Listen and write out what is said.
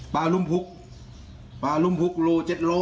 ปลารุ่มพุกปลารุ่มพุกโร๗๐๐